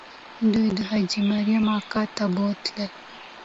دوی حاجي مریم اکا ته بوتلل.